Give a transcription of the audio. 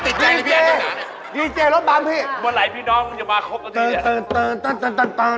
และจุดนี้นี่คือมันเบอร์รี่๓รสประมาณ๑๐๐กรัม